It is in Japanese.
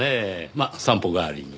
まあ散歩代わりに。